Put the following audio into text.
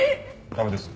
駄目です。